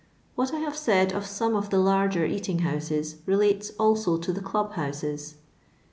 What I have said of some of the larger eating houses relates also to the club houses.